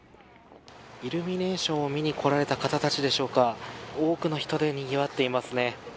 イルミネーションを見に来られた方たちでしょうか多くの人でにぎわっていますね。